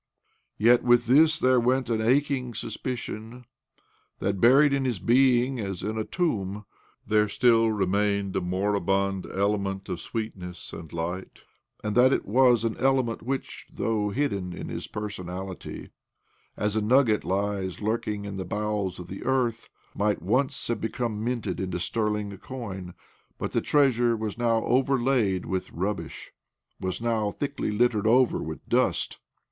Yet with this there went an aching suspicion that, buried in his being, as in a tomb, there still remained a moribund element of sweetness and light, and that it was an element which, though hidden in his personality, as a nugget lies lurking in the bowels of the earth, might once have become minted into sterling coin. But the treasure was now overlaid with rubbish— was now thickly littered over with dust.